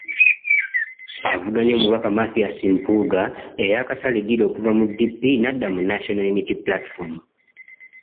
Avuganya Omubaka Mathias Mpuuga eyaakasala eddiiro okuva mu DP n'adda mu National Unity Platform.